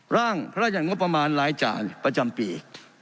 ร่างพระราชยัติงบประมาณรายจ่ายประจำปี